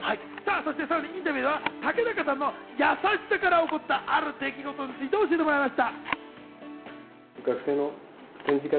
さらにインタビューでは竹中さんの優しさから起こった、ある出来事について教えてもらいました。